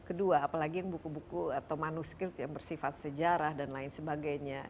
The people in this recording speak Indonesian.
dan kedua apalagi buku buku atau manuskrip yang bersifat sejarah dan lain sebagainya